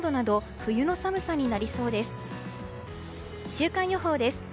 週間予報です。